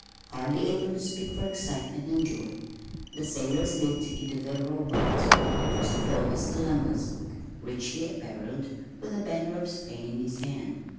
Hardly able to speak for excitement and joy the sailors leaped into their rowboats. First of all was Columbus, richly appareled, with the banner of Spain in his hand.